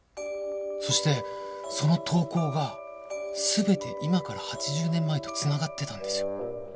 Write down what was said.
そしてその投稿が全て今から８０年前とつながってたんですよ。